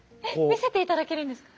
見せていただけるんですか？